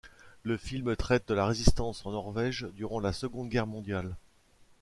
Le film traite de la résistance en Norvège durant la Seconde Guerre mondiale.